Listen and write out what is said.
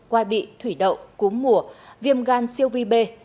quai bị thủy đậu cúm mùa viêm gan siêu vi bê